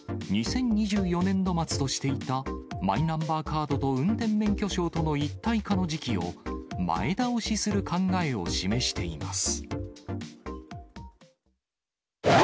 ２０２４年度末としていたマイナンバーカードと運転免許証との一体化の時期を、前倒しする考えを示しています。